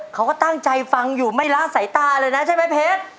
เขาก็ตั้งใจฟังอยู่ไม่ละสายตาเลยนะใช่ไหมเพชร